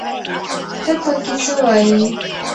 ته پکې څه وايې